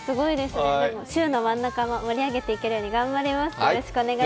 週の真ん中も盛り上げていけるように頑張ります。